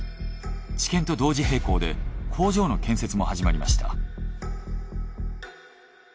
治験と同時平行で工場の建設も始まりました。